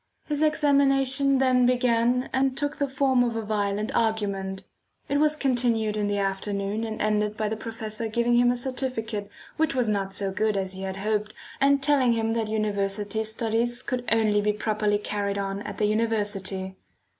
His examination then began and took the form of a violent argument. It was continued in the afternoon and ended by the professor giving him a certificate which was not so good as he had hoped, and telling him that university studies could only be properly carried on at the university.